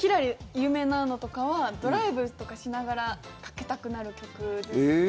有名なのとかはドライブとかしながらかけたくなる曲ですね。